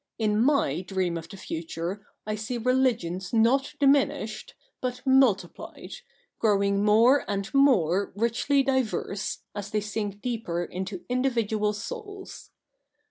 In wr dream of the future I see religions not diminished, but CH. Ill] THE NEW REPUBLIC 159 multiplied, growing more and more richly diverse, as they sink deeper into individual souls.